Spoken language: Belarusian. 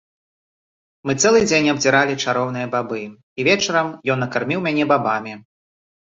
Мы цэлы дзень абдзіралі чароўныя бабы і вечарам ён накарміў мяне бабамі.